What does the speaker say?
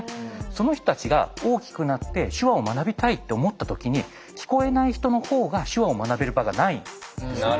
その人たちが大きくなって手話を学びたいと思った時に聞こえない人の方が手話を学べる場がないんですね。